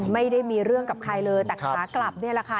ไม่ได้มีเรื่องกับใครเลยแต่ขากลับนี่แหละค่ะ